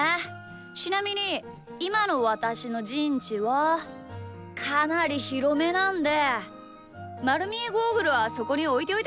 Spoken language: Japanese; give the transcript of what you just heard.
ちなみにいまのわたしのじんちはかなりひろめなんでまるみえゴーグルはそこにおいておいてください。